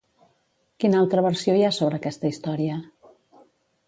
Quina altra versió hi ha sobre aquesta història?